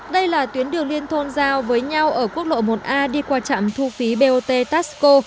đây là tuyến đường liên thôn giao với nhau ở quốc lộ một a đi qua trạm thu phí bot taxco